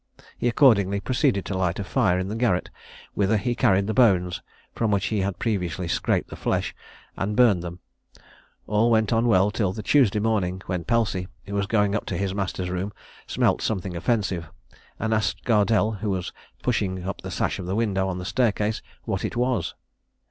He accordingly proceeded to light a fire in the garret, whither he carried the bones, from which he had previously scraped the flesh, and burned them. All went on well until the Tuesday morning, when Pelsey, who was going up to his master's room, smelt something offensive, and asked Gardelle, who was pushing up the sash of the window on the staircase, what it was?